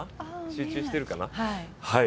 集中しているかな。